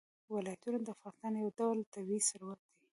ولایتونه د افغانستان یو ډول طبعي ثروت دی.